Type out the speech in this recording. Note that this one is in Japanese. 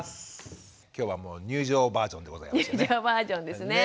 今日は入場バージョンでございますね。